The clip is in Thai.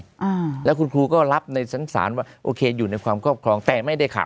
อ่าแล้วคุณครูก็รับในชั้นศาลว่าโอเคอยู่ในความครอบครองแต่ไม่ได้ขาด